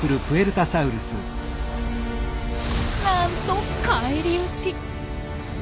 なんと返り討ち。